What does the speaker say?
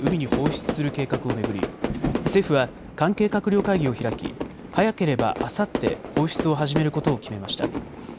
東京電力福島第一原発にたまる処理水を薄めて海に放出する計画を巡り、政府は関係閣僚会議を開き早ければあさって放出を始めることを決めました。